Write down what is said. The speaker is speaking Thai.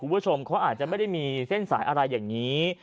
คุณผู้ชมเขาอาจจะไม่ได้มีเส้นสายอะไรอย่างนี้